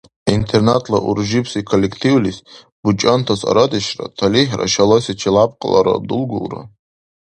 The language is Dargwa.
Интернатла уржибси коллективлис, бучӀантас арадешра, талихӀра, шаласи челябкьлара дулгулра.